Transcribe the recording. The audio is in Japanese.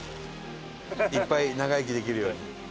いっぱい長生きできるように。